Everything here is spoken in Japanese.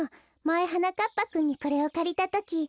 まえはなかっぱくんにこれをかりたとき。